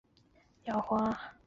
就是那个荣誉感